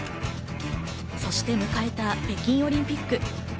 そして迎えた北京オリンピック。